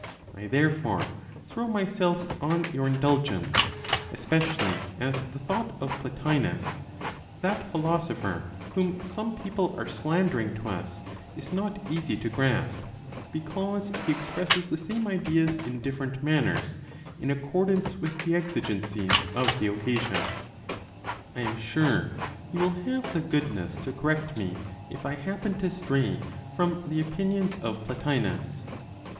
I, therefore, throw myself on your indulgence, especially as the thought of (Plotinos, that) philosopher whom some people are slandering to us, is not easy to grasp, because he expresses the same ideas in different manners in accordance with the exigencies of the occasion. I am sure you will have the goodness to correct me, if I happen to stray from the opinions of Plotinos.